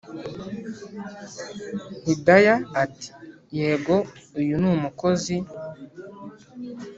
hidaya ati”yego uyu ni umukozi